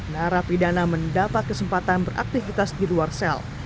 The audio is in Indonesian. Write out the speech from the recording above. narapidana mendapat kesempatan beraktivitas di luar sel